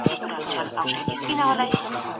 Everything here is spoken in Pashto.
د کندهار په شاوخوا کي کومي لرغونې غونډۍ سته؟